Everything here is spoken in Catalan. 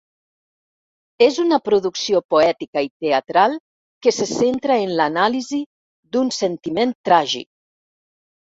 És una producció poètica i teatral que se centra en l'anàlisi d'un sentiment tràgic.